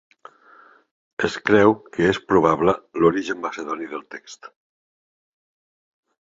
Es creu que és probable l'origen macedoni del text.